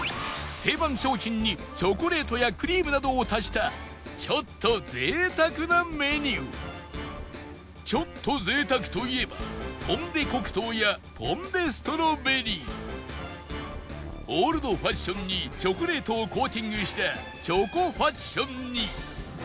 定番商品にチョコレートやクリームなどを足した「ちょっと贅沢」といえばポン・デ・黒糖やポン・デ・ストロベリーオールドファッションにチョコレートをコーティングしたチョコファッションに